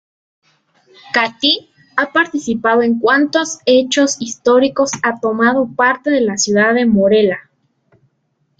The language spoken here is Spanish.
Catí ha participado en cuantos hechos históricos ha tomado parte la ciudad de Morella.